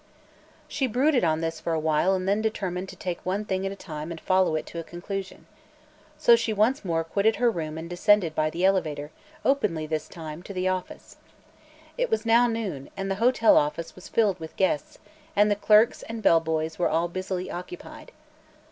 She brooded on this for a while and then determined to take one thing at a time and follow it to a conclusion. So she once more quitted her room and descended by the elevator openly, this time to the office. It was now noon and the hotel office was filled with guests, and the clerks and bellboys were all busily occupied.